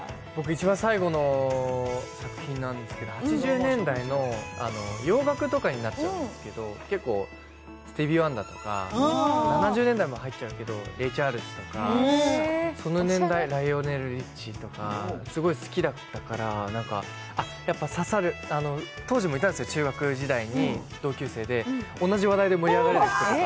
一番最後のなんですけど、８０年代の、洋楽とかになっちゃうんですけど、結構、スティービー・ワンダーとか７０年代も入っちゃうけど、レイ・チャールズとかその年代、ライオネル・リッチーとかすごい好きだったから、やっぱり刺さる、当時もいたんですよ、中学時代に同級生で同じ話題で盛り上がれる人が。